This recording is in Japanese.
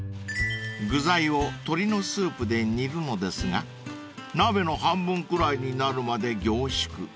［具材を鶏のスープで煮るのですが鍋の半分くらいになるまで凝縮］